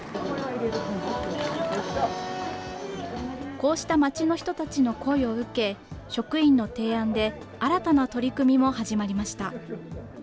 こうしたまちの人たちの声を受け、職員の提案で新たな取り組みも始まりました。